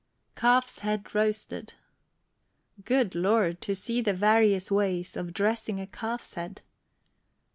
CALF'S HEAD ROASTED. Good L d! to see the various ways Of dressing a calf's head.